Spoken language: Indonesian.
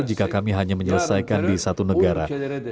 jika kami hanya menyelesaikan di satu negara